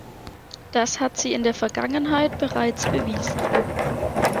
Das hat sie in der Vergangenheit bereits bewiesen.